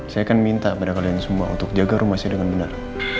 saya akan minta pada kalian semua untuk jaga rumah saya dengan benar